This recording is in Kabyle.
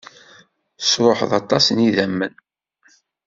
Tesruḥeḍ aṭas n yidammen.